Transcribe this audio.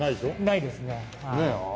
ないですねはい。